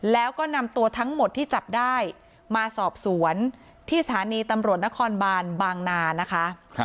แล้วก็นำตัวทั้งหมดที่จับได้มาสอบสวนที่สถานีตำรวจนครบานบางนานะคะ